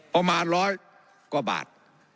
ประมาณร้อยกว่าบาท